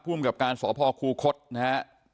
ภูมิกับการสพครูคลดนะฮะ